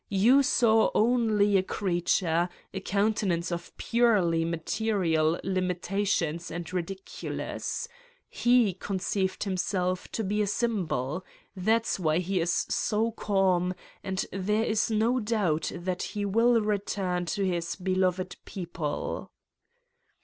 You saw only a creature, a countenance of purely material limitations and ridiculous. He conceived himself to be a symbol. That is why he is so calm and there is no doubt that he will return to his beloved people."